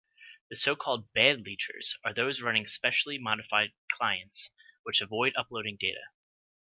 The so-called "bad" leechers are those running specially modified clients which avoid uploading data.